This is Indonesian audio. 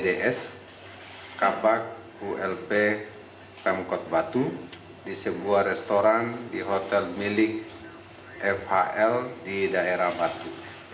eds kepala bagian ulp kota batu di sebuah restoran di hotel milik fhl di daerah batu